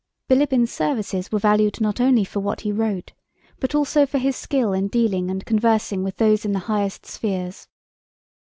Bilíbin's services were valued not only for what he wrote, but also for his skill in dealing and conversing with those in the highest spheres.